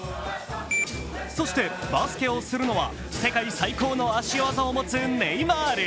そして、バスケをするのは、世界最高の足技を持つネイマール。